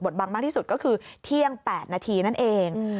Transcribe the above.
บังมากที่สุดก็คือเที่ยง๘นาทีนั่นเอง